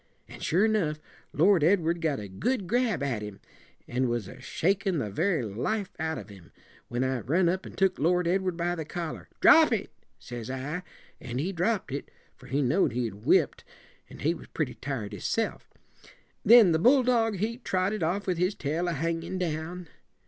An' sure enough, Lord Edward got a good grab at him, and was a shakin' the very life out of him, when I run up and took Lord Edward by the collar. 'Drop it!' says I; an' he dropped it, for he know'd he'd whipped, and he was pretty tired hisself. Then the bulldog, he trotted off with his tail a hangin' down.